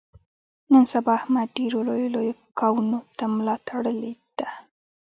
نن سبا احمد ډېرو لویو لویو کاونو ته ملا تړلې ده.